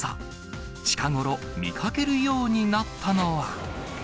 近頃見かけるようになったのは。